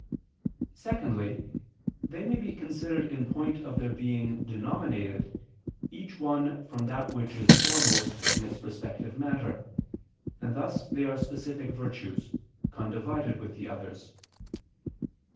Secondly, they may be considered in point of their being denominated, each one from that which is foremost in its respective matter, and thus they are specific virtues, condivided with the others.